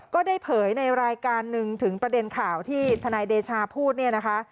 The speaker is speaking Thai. ก็ได้เผยในรายการหนึ่งถึงประเด็นข่าวที่ทนายเดชาพูดเนี่ยนะคะ